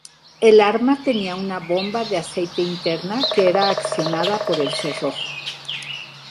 El arma tenía una bomba de aceite interna, que era accionada por el cerrojo.